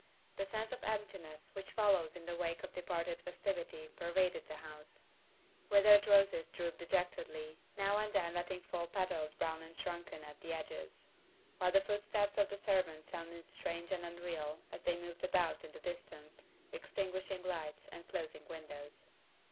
The sense of emptiness which follows in the wake of departed festivity pervaded the house ; withered roses drooped dejectedly, now and then letting fall petals brown and shrunken at the edges; while the footsteps of the servants sounded strange and unreal as they moved about in the distance, extinguish ing lights and closing windows.